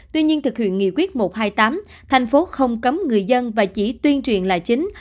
tuy nhiên thực hiện nghị quyết một trăm hai mươi tám thành phố không cấm người dân và chỉ tuyên truyền là chính